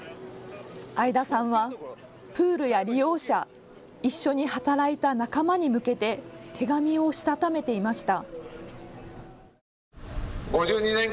會田さんはプールや利用者、一緒に働いた仲間に向けて手紙をしたためていました。